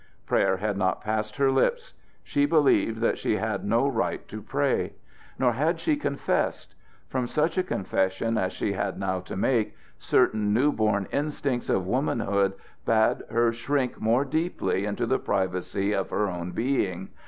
Prayer had not passed her lips. She believed that she had no right to pray. Nor had she confessed. From such a confession as she had now to make, certain new born instincts of womanhood bade her shrink more deeply into the privacy of her own being.